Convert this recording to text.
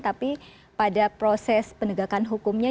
tapi pada proses penegakan hukumnya